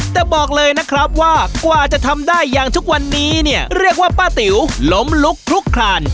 แต่บอกเลยนะครับว่ากว่าจะทำได้อย่างทุกวันนี้เนี่ยเรียกว่าป้าติ๋วล้มลุกลุกคลาน